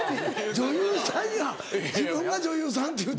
女優さんや自分が女優さんって言うてんねんから。